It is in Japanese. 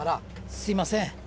すいません。